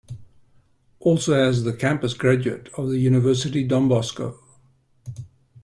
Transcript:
Also has the campus graduate of the University Don Bosco.